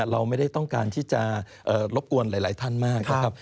เราไม่ได้ต้องการที่จะรบกวนหลายท่านมากนะครับ